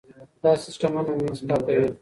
دا سیستمونه مېز پاکوي.